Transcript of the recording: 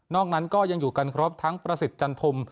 นั้นก็ยังอยู่กันครบทั้งประสิทธิ์จันทม